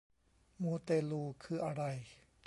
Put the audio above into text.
มูเตลูคืออะไร